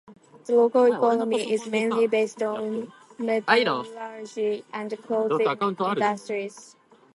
The local economy is mainly based in metallurgy and clothing industries.